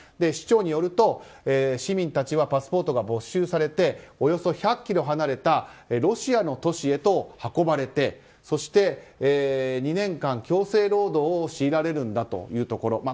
市長によると市民たちはパスポートが没収されておよそ１００ｋｍ離れたロシアの都市へと運ばれてそして２年間強制労働を強いられるんだというところ。